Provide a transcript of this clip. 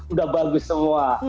udah bagus semua